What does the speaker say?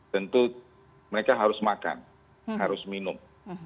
tentu mereka harus makan harus minum